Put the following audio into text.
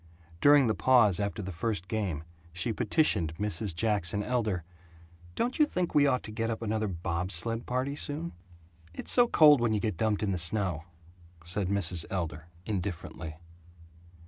During the pause after the first game she petitioned Mrs. Jackson Elder, "Don't you think we ought to get up another bob sled party soon?" "It's so cold when you get dumped in the snow," said Mrs. Elder, indifferently.